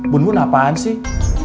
bun bun apaan sih